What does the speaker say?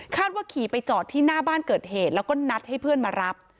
ว่าขี่ไปจอดที่หน้าบ้านเกิดเหตุแล้วก็นัดให้เพื่อนมารับ